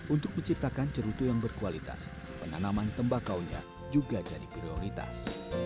untuk menciptakan cerutu yang berkualitas penanaman tembakaunya juga jadi prioritas